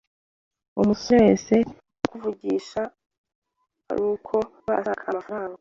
umusore wese wakuvugisha aruko yaba ashaka amafaranga